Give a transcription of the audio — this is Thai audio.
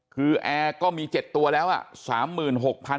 คือแอร์ก็มี๗ตัวแล้ว